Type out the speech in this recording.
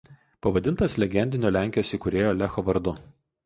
Pavadintas legendinio Lenkijos įkūrėjo Lecho vardu.